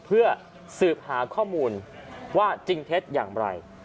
เพื่อสืบหาข้อมูลว่าจริงเท็จอย่างไร